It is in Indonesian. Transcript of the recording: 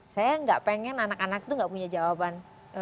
saya nggak pengen anak anak itu gak punya jawaban